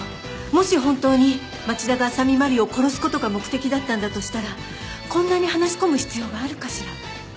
もし本当に町田が浅見麻里を殺す事が目的だったんだとしたらこんなに話し込む必要があるかしら？